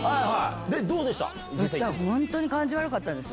でどうでした？